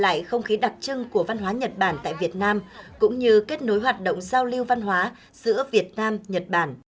lại không khí đặc trưng của văn hóa nhật bản tại việt nam cũng như kết nối hoạt động giao lưu văn hóa giữa việt nam nhật bản